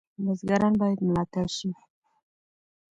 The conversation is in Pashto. بزګران باید ملاتړ شي.